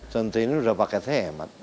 centini udah pake hemat